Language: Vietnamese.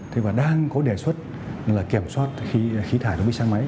thế và đang có đề xuất là kiểm soát khi khí thải đối với xe máy